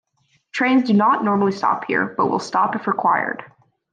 Trains do not normally stop here, but will stop if required.